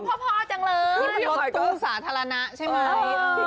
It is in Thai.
พี่บีมพอจังเลยรถตู้สาธารณะใช่มั้ย